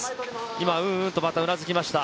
今、うんうんとまたうなずきました。